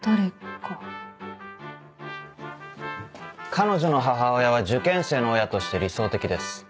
彼女の母親は受験生の親として理想的です。